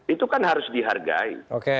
itu kan harus dihargai